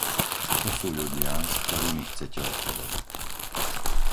To sú ľudia, s ktorými chcete obchodovať.